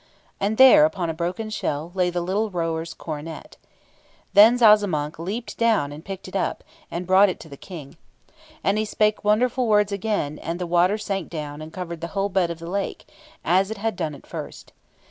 And there, upon a broken shell, lay the little rower's coronet. Then Zazamankh leaped down and picked it up, and brought it to the King. And he spake wonderful words again, and the water sank down, and covered the whole bed of the lake, as it had done at first.